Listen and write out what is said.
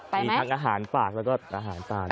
มีทั้งอาหารฝากแล้วก็อาหารตาม